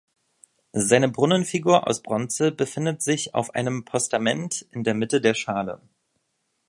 Seine Brunnenfigur aus Bronze befindet sich auf einem Postament in der Mitte der Schale.